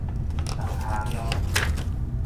六跤鄉